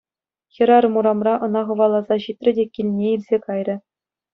Хӗрарӑм урамра ӑна хӑваласа ҫитрӗ те килне илсе кайрӗ.